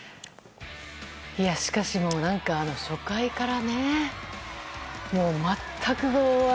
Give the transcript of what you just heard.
しかし、初回から全く。